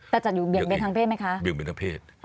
แต่จะอยู่เบียงเบียงทางเพศไหมคะเบียงเบียงทางเพศ